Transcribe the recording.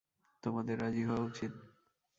তোমাদের রাজি হওয়া উচিত।